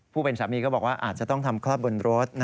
ผู้เป็นสามีก็บอกว่าอาจจะต้องทำคลอดบนรถนะ